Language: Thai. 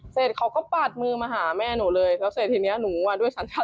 เสร็จเขาก็ปาดมือมาหาแม่หนูเลย